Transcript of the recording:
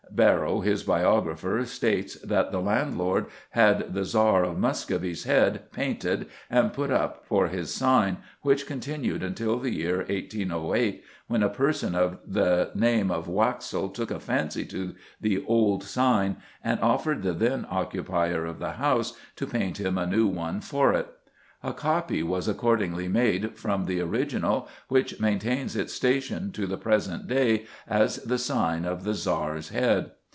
Barrow, his biographer, states that "the landlord had the Czar of Muscovy's head painted and put up for his sign, which continued until the year 1808, when a person of the name of Waxel took a fancy to the old sign and offered the then occupier of the house to paint him a new one for it. A copy was accordingly made from the original, which maintains its station to the present day as the sign of the Czar's Head."